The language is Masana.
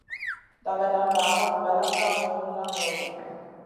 Dagadamba hog balak kaŋu, laŋ loɓo.